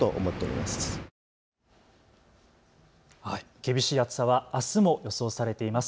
厳しい暑さはあすも予想されています。